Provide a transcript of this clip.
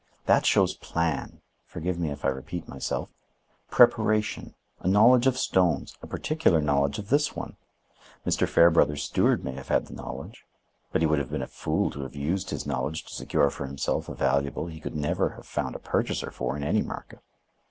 That shows plan—forgive me if I repeat myself—preparation, a knowledge of stones, a particular knowledge of this one. Mr. Fairbrother's steward may have had the knowledge, but he would have been a fool to have used his knowledge to secure for himself a valuable he could never have found a purchaser for in any market.